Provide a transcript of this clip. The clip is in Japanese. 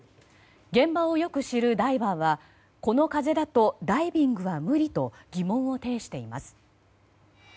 現場をよく知るダイバーはこの風だとダイビングは無理と疑問を呈しています。